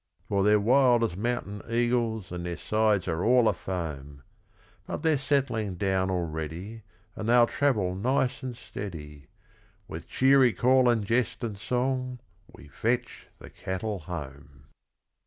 For they're wild as mountain eagles and their sides are all afoam; But they're settling down already, And they'll travel nice and steady, With cheery call and jest and song we fetch the cattle home.